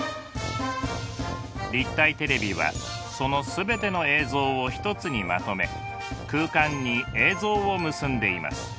立体テレビはその全ての映像を一つにまとめ空間に映像を結んでいます。